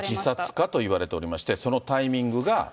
自殺かといわれておりまして、そのタイミングが。